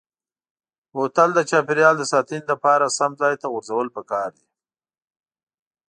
بوتل د چاپیریال د ساتنې لپاره سم ځای ته غورځول پکار دي.